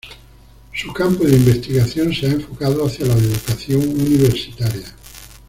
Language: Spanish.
Su campo de investigación se ha enfocado hacia la educación universitaria.